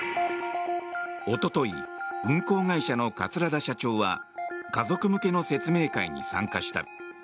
おととい運航会社の桂田社長は家族向けの説明会に参加した。